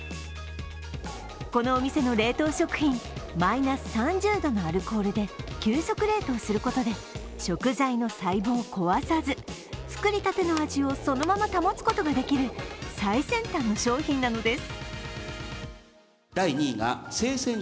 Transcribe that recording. このお店の冷凍食品マイナス３０度のアルコールで急速冷凍することで食材の細胞を壊さず作りたての味をそのまま保つことができる最先端の商品なのです。